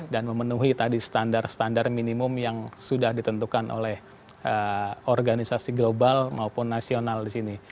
dan memenuhi tadi standar standar minimum yang sudah ditentukan oleh organisasi global maupun nasional di sini